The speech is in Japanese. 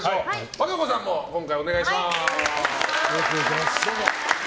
和歌子さんも今回、お願いします！